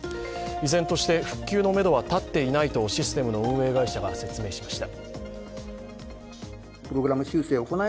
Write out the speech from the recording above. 依然として復旧のめどは立っていないとシステムの運営会社が説明しました。